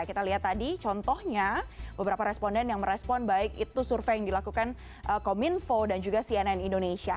kita lihat tadi contohnya beberapa responden yang merespon baik itu survei yang dilakukan kominfo dan juga cnn indonesia